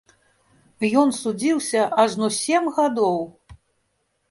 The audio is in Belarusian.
Ён судзіўся ажно сем гадоў!